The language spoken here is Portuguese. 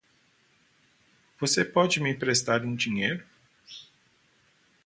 Você pode me emprestar um dinheiro?